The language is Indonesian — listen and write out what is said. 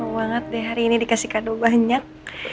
banget deh hari ini dikasih kado banyak